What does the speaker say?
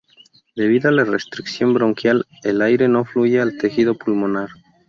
Debido a la restricción bronquial, el aire no fluye al tejido pulmonar.